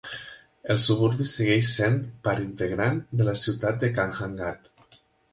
El suburbi segueix sent part integrant de la ciutat de Kanhangad.